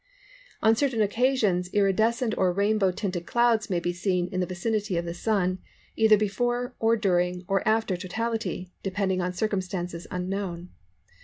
On certain occasions iridescent or rainbow tinted clouds may be seen in the vicinity of the Sun, either before, or during, or after totality, depending on circumstances unknown.